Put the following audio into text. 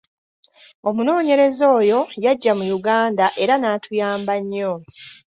Omunoonyereza oyo yajja mu Uganda era n'atuyamba nnyo.